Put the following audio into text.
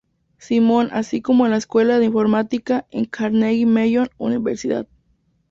Simon así como en la Escuela de Informática en Carnegie Mellon Universidad.